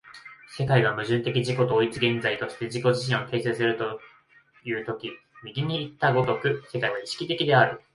世界が矛盾的自己同一的現在として自己自身を形成するという時右にいった如く世界は意識的である。